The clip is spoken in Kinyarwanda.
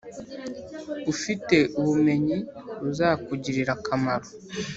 ufite ubumenyi buzakugirira akamaro